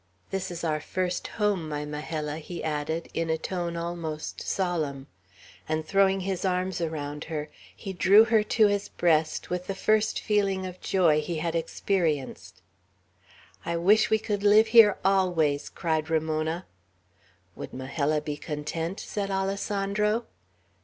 This is our first home, my Majella," he added, in a tone almost solemn; and throwing his arms around her, he drew her to his breast, with the first feeling of joy he had experienced. "I wish we could live here always," cried Ramona. "Would Majella be content?" said Alessandro.